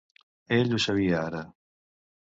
Ell ho sabia ara.